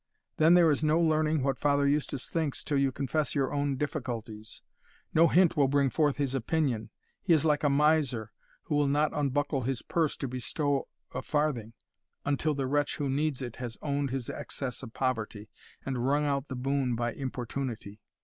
Then there is no learning what Father Eustace thinks till you confess your own difficulties No hint will bring forth his opinion he is like a miser, who will not unbuckle his purse to bestow a farthing, until the wretch who needs it has owned his excess of poverty, and wrung out the boon by importunity.